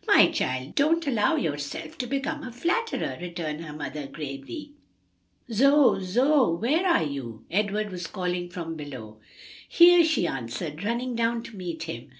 '" "My child, don't allow yourself to become a flatterer," returned her mother gravely. "Zoe, Zoe, where are you?" Edward was calling from below. "Here," she answered, running down to meet him.